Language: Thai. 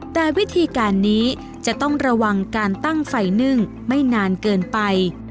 แต่วิธีการนี้จะต้องระวังการตั้งไฟนึ่งไม่นานเกินไป